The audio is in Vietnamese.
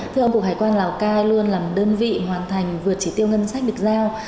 thưa ông cục hải quan lào cai luôn là một đơn vị hoàn thành vượt chỉ tiêu ngân sách được giao